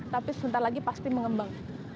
tapi sebentar lagi pasti mengembang